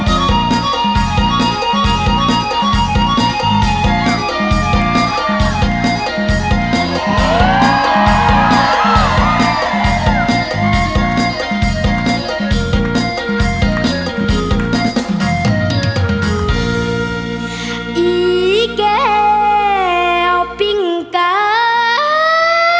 อีแก่วปิ้งไก่